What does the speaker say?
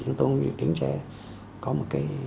chúng tôi tính sẽ có một cái